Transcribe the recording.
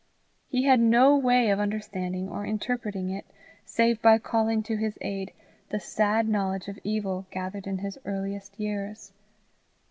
He had no way of understanding or interpreting it save by calling to his aid the sad knowledge of evil, gathered in his earliest years.